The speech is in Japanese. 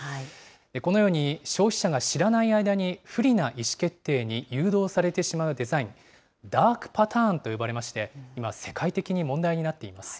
このように消費者が知らない間に、不利な意思決定に誘導されてしまうデザイン、ダークパターンと呼ばれまして、今、世界的に問題になっています。